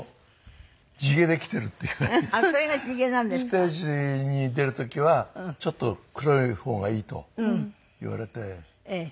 ステージに出る時はちょっと黒い方がいいと言われて。